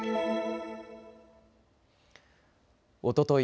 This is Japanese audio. おととい